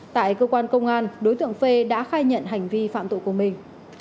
tại cơ quan công an đối tượng phê đã khai nhận hành vi phạm tội của mình